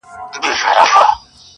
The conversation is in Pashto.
ما دي د میني سوداګر له کوڅې وشړله،